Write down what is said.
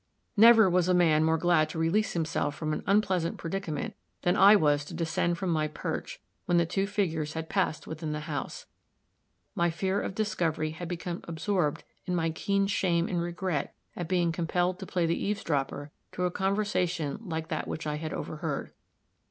Never was a man more glad to release himself from an unpleasant predicament than I was to descend from my perch when the two figures had passed within the house. My fear of discovery had become absorbed in my keen shame and regret at being compelled to play the eavesdropper to a conversation like that which I had overheard.